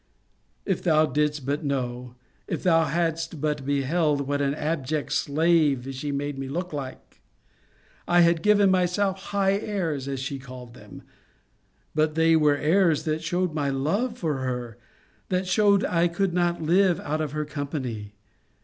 If thou didst but know, if thou hadst but beheld, what an abject slave she made me look like! I had given myself high airs, as she called them: but they were airs that shewed my love for her: that shewed I could not live out of her company.